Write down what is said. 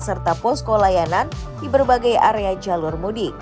serta posko layanan di berbagai area jalur mudik